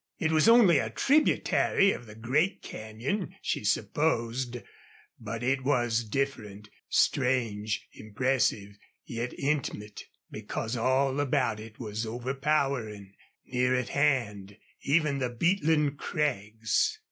It was only a tributary of the great canyon, she supposed, but it was different, strange, impressive, yet intimate, because all about it was overpowering, near at hand, even the beetling crags.